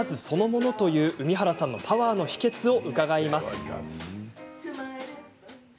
そのものという海原さんのパワーの秘けつを伺います。